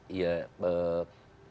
semua ini kan pakai uang